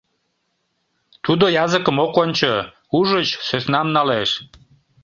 Тудо языкым ок ончо; ужыч, сӧснам налеш.